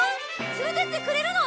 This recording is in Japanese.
連れてってくれるの？